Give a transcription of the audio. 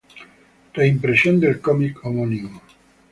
Reimpresión del cómic homónimo.